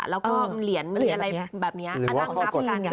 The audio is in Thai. แล้วก็เหรียญอะไรแบบนี้นั่งของนับการ